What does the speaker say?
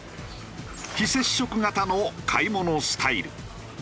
非接触型の買い物スタイル。